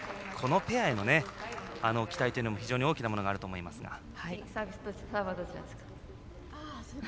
このペアへの期待も非常に大きなものがあると思いますが。